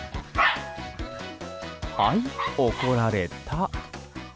はい、怒られた。